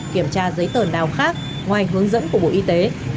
kiểm tra giấy tờ nào khác ngoài hướng dẫn của bộ y tế